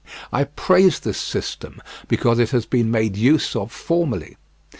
I praise this system because it has been made use of formerly.